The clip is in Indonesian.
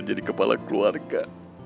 jadi kepala keluarga